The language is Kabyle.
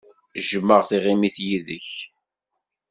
Jjmeɣ tiɣimit yid-k.